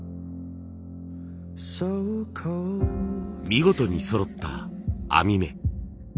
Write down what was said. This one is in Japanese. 見事にそろった編み目。